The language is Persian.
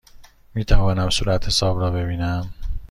می توانم صورتحساب را ببینم؟